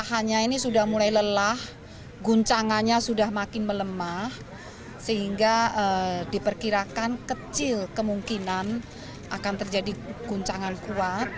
lahannya ini sudah mulai lelah guncangannya sudah makin melemah sehingga diperkirakan kecil kemungkinan akan terjadi guncangan kuat